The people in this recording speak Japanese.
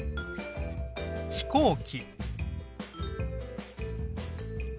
飛行機。